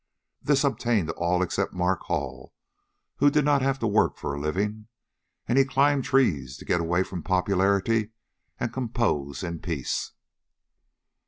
This obtained to all except Mark Hall, who did not have to work for a living; and he climbed trees to get away from popularity and compose in peace.